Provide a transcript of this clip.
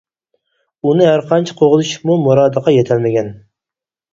ئۇنى ھەر قانچە قوغلىشىپمۇ مۇرادىغا يېتەلمىگەن.